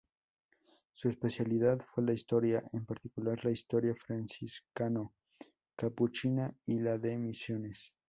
Su especialidad fue la historia, en particular la historia franciscano-capuchina y la de misiones.